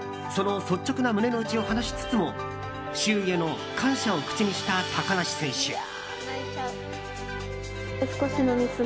その率直な胸の内を話しつつも周囲への感謝を口にした高梨選手。